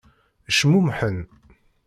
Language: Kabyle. Cmumḥen.